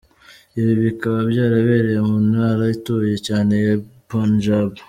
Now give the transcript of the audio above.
Ibi bikaba byarabereye mu ntara ituwe cyane ya Punjab.